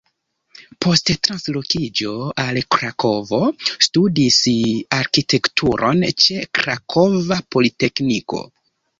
Post translokiĝo al Krakovo studis arkitekturon ĉe Krakova Politekniko.